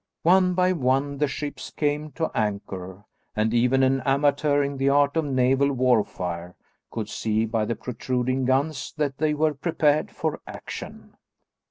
One by one the ships came to anchor and even an amateur in the art of naval warfare could see by the protruding guns that they were prepared for action.